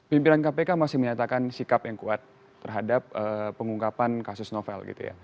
pimpinan kpk masih menyatakan sikap yang kuat terhadap pengungkapan kasus novel gitu ya